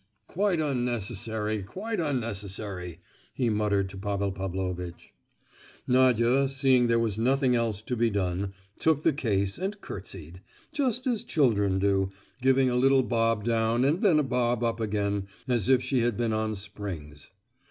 "Quite unnecessary, quite unnecessary!" he muttered to Pavel Pavlovitch. Nadia, seeing there was nothing else to be done, took the case and curtsied—just as children do, giving a little bob down and then a bob up again, as if she had been on springs.